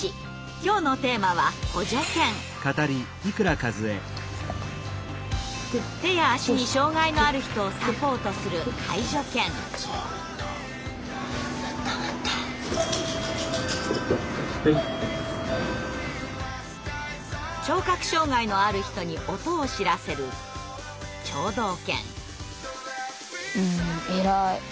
今日のテーマは手や足に障害のある人をサポートする聴覚障害のある人に音を知らせる偉い。